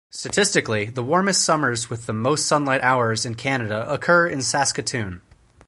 Statistically the warmest summers with the most sunlight hours in Canada occur in Saskatoon.